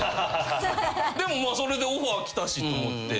でもそれでオファー来たしと思って。